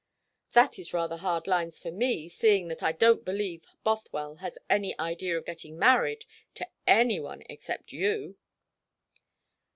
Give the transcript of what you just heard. "That is rather hard lines for me, seeing that I don't believe Bothwell has any idea of getting married to any one except you."